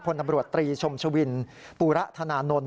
พลตำรวจตรีชมชวินปูระธนานนท